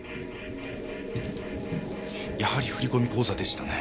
やはり振込口座でしたね。